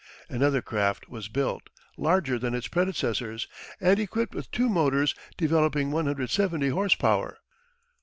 Another craft was built, larger than its predecessors, and equipped with two motors developing 170 horse power.